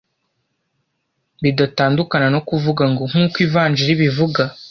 bidatandukana no kuvuga ngo “nk’uko ivanjili ibivuga